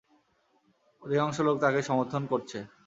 অধিকাংশ লোক তাকে সমর্থন করছে।